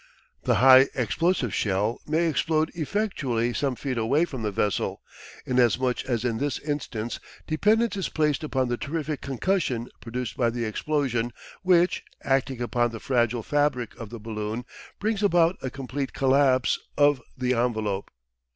The high explosive shell may explode effectually some feet away from the vessel, inasmuch as in this instance dependence is placed upon the terrific concussion produced by the explosion which, acting upon the fragile fabric of the balloon, brings about a complete collapse of the envelope.